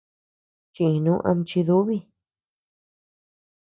Chínu ama chidúbi.